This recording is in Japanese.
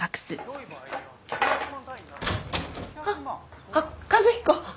あっあっ和彦。